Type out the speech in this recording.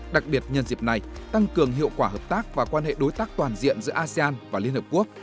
đặc biệt nhân dịp này tăng cường hiệu quả hợp tác và quan hệ đối tác toàn diện giữa asean và liên hợp quốc